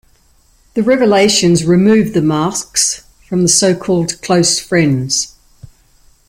The revelations remove the masks from the so-called close friends.